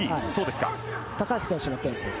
高橋選手のペースです。